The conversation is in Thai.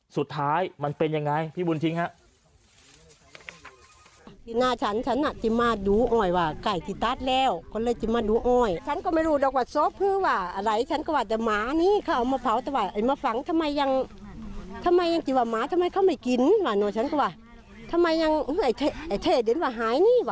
สุดท้ายมันเป็นยังไงพี่บุญทิ้งฮะ